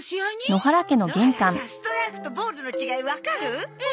野原さんストライクとボールの違いわかる？え？